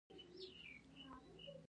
آیا کاناډا د کانونو اداره نلري؟